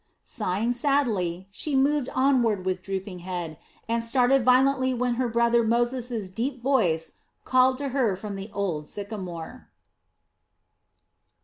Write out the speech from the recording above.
Sighing sadly, she moved onward with drooping head, and started violently when her brother Moses' deep voice called to her from the old sycamore.